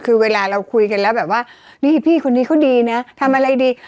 คือเวลาเราคุยกันแล้วแบบว่านี่พี่คนนี้เขาดีนะทำอะไรดี